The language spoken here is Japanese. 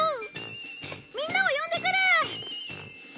みんなを呼んでくる！